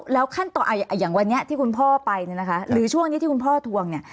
แล้วขั้นตอนอย่างวันนี้ที่คุณพ่อไปเนี่ยนะคะหรือช่วงนี้ที่คุณพ่อทวงเนี่ย